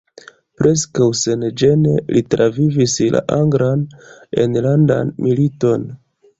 Preskaŭ senĝene li travivis la anglan enlandan militon.